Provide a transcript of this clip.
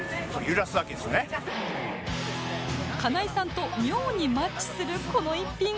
金井さんと妙にマッチするこの一品